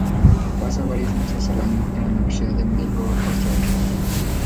Pasa varios meses al año en la Universidad de Melbourne, Australia.